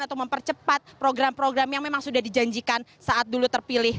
atau mempercepat program program yang memang sudah dijanjikan saat dulu terpilih